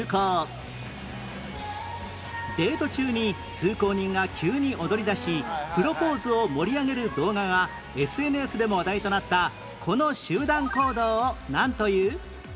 デート中に通行人が急に踊りだしプロポーズを盛り上げる動画が ＳＮＳ でも話題となったこの集団行動をなんという？